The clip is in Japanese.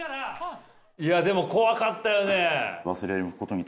いやでも怖かったよね。